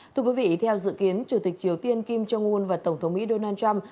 thưa quý vị theo dự kiến chủ tịch triều tiên kim jong un và tổng thống mỹ donald trump